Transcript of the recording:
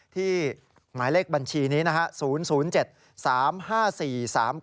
ที่หมายเลขบัญชีนี้๐๐๗๓๕๔๓๙๙๑